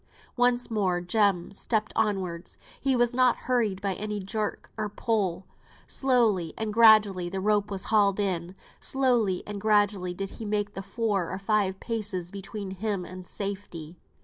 Once more Jem stepped onwards. He was not hurried by any jerk or pull. Slowly and gradually the rope was hauled in, slowly and gradually did he make the four or five paces between him and safety.